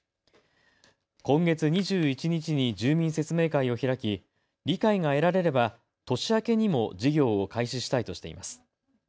今月２１日に住民説明会を開き理解が得られれば、年明けにも事業を開始したいとしています。